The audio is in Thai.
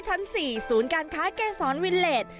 ชั้น๔ศูนย์การค้าเกษรวิลเลส